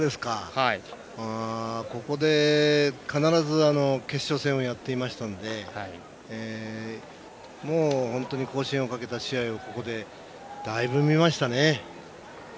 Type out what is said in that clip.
ここで必ず決勝戦をやっていましたので本当に甲子園をかけた試合をだいぶ見ましたね。